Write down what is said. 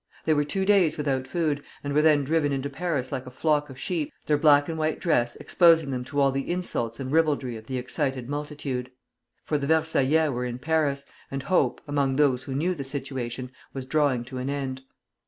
They were two days without food, and were then driven into Paris like a flock of sheep, their black and white dress exposing them to all the insults and ribaldry of the excited multitude; for the Versaillais were in Paris, and hope, among those who knew the situation, was drawing to an end.